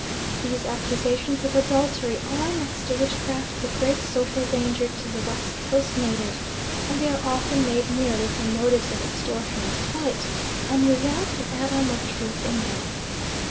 These accusations of adultery are, next to witchcraft, the great social danger to the West Coast native, and they are often made merely from motives of extortion or spite, and without an atom of truth in them.